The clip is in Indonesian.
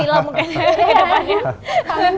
ayo sedekat lagi sedekat sedekat sedekat